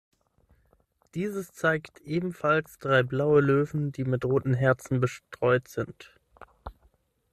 Dieses zeigt ebenfalls drei blaue Löwen, die mit roten Herzen bestreut sind.